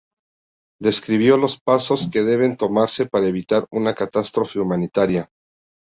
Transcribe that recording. Describió los pasos que deben tomarse para evitar una "catástrofe humanitaria".